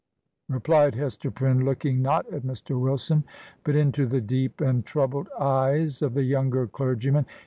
re plied Hester Prynne, looking, not at Mr. Wilson, but into the deep and troubled eyes of the younger clergy man.